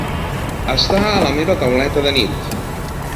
Està a la meva tauleta de nit.